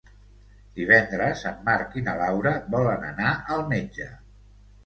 Divendres en Marc i na Laura volen anar al metge.